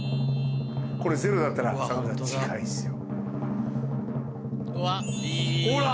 これゼロだったら坂上さん近いですよ。ほら！